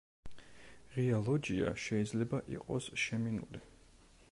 ღია ლოჯია შეიძლება იყოს შემინული.